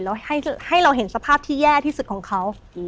แล้วให้เราเห็นสภาพที่แย่ที่สุดของเขา